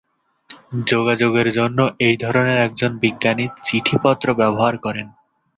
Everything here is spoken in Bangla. যোগাযোগের জন্য, এই ধরনের একজন বিজ্ঞানী "চিঠিপত্র" ব্যবহার করেন।